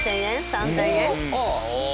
３０００円？